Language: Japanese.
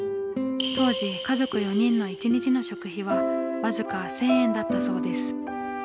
当時家族４人の１日の食費は僅か１，０００円だったそうです。